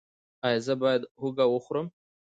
ایا زه باید هوږه وخورم؟